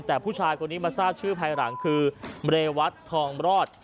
แต่ผู้ชายคนนี้มาทราบชื่อภายหลังคือเรวัตทองรอด